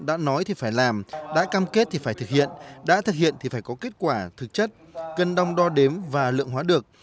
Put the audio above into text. đã nói thì phải làm đã cam kết thì phải thực hiện đã thực hiện thì phải có kết quả thực chất cân đong đo đếm và lượng hóa được